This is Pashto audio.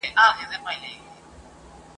پر لکړه یې دروړمه هدیرې لمن دي نیسه ..